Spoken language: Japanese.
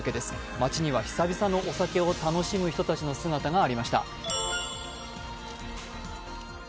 街には久々のお酒を楽しむ人たちの姿がありました。